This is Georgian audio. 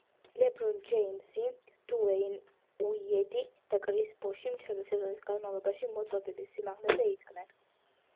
ლებრონ ჯეიმზი, დუეინ უეიდი და კრის ბოში მთელი სეზონის განმავლობაში მოწოდების სიმაღლეზე იდგნენ.